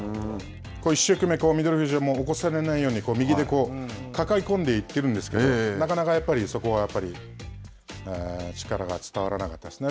一生懸命、翠富士は、起こされないように右で抱え込んでいってるんですけど、なかなかやっぱりそこは力が伝わらなかったですね。